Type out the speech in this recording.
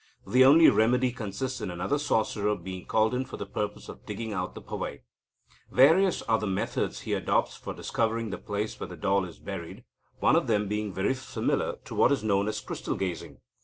The only remedy consists in another sorcerer being called in for the purpose of digging out the pavai. Various are the methods he adopts for discovering the place where the doll is buried, one of them being very similar to what is known as crystal gazing.